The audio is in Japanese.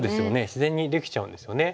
自然にできちゃうんですよね。